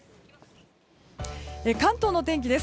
関東の天気です。